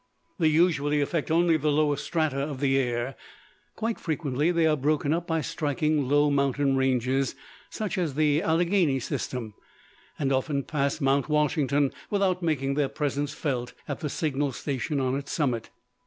They usually affect only the lower strata of the air. Quite frequently they are broken up by striking low mountain ranges, such as the Alleghany system: and often pass Mount Washington without making their presence felt at the signal station on its summit.